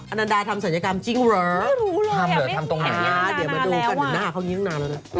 อันนดาทำศัลยกรรมจริงเหรอไม่รู้เลยอยากไม่เห็นยังนานแล้วอ่าเดี๋ยวมาดูกันหน้าเขานี่ยังนานแล้ว